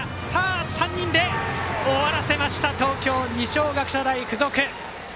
３人で終わらせました東京・二松学舎大付属。